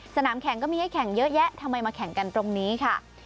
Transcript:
สนามแข่งก็มีให้แข่งเยอะแยะทำไมมาแข่งกันตรงนี้ค่ะ